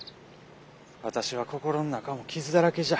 私は心の中も傷だらけじゃ。